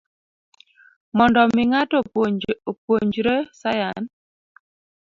Mondo omi ng'ato opuonjre sayan